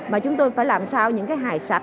mà chúng tôi phải làm sao những cái hài sạch